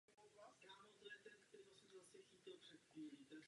K tomu je potřeba jeden až dva stromy.